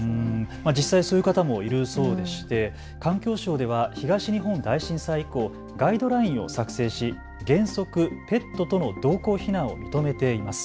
実際にそういう方もいるそうでして環境省では東日本大震災以降、ガイドラインを作成し原則、ペットとの同行避難を認めています。